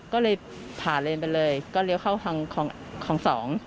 ก็เลยผ่านเลนไปเลยก็เลี้ยวเข้าทางของสอง